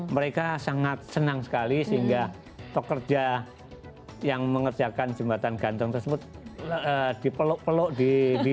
mereka sangat senang sekali sehingga pekerja yang mengerjakan jembatan gantung tersebut dipeluk peluk di